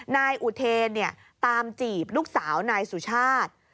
นายอุเทนตามจีบลูกสาวนายสุชาติ